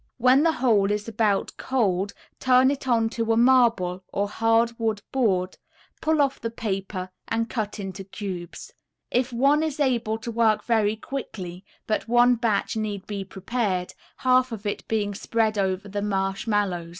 When the whole is about cold turn it onto a marble, or hardwood board, pull off the paper and cut into cubes. If one is able to work very quickly, but one batch need be prepared, half of it being spread over the marshmallows.